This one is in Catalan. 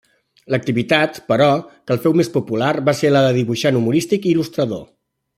L'activitat, però, que el féu més popular, va ser la de dibuixant humorístic i il·lustrador.